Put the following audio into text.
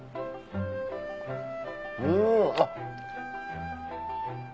うんあっ。